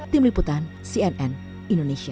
tim liputan cnn indonesia